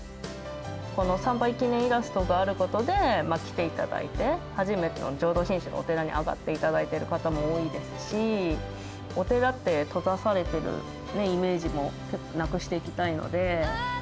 この参拝記念イラストがあることで、来ていただいて、初めて浄土真宗のお寺に上がっていただいている方も多いですし、お寺って、閉ざされてるイメージもちょっとなくしていきたいので。